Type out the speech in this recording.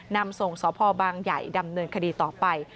นำส่งสพบางใหญ่ดำเนินคดีต่อไป